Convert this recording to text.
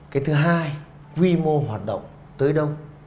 cái thứ hai quy mô hoạt động tới đâu